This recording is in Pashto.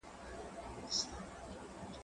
زه پرون سبزیجات تيار کړل